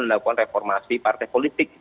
melakukan reformasi partai politik